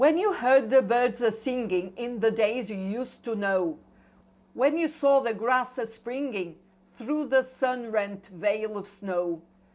YOU heard the birds a singing in the days you used to know, f When you saw the grass a springing through the sun rent veil of snow.